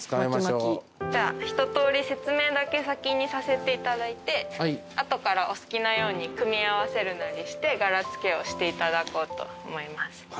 じゃあひととおり説明だけ先にさせていただいて後からお好きなように組み合わせるなりして柄付けをしていただこうと思います。